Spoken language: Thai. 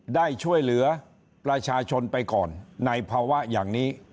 ได้ช่วยเหลือประชาชนไปก่อนในภาวะอย่างนี้